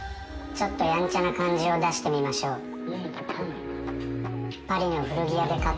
ちょっとやんちゃな感じを出してみましょう。